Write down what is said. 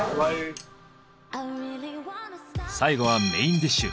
最後はメインディッシュ。